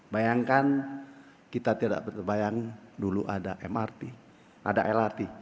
bayangkan kita tidak terbayang dulu ada mrt ada lrt